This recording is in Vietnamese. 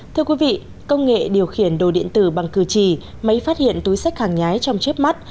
thưa quý vị công nghệ điều khiển đồ điện tử bằng cửa trì máy phát hiện túi sách hàng nhái trong chếp mắt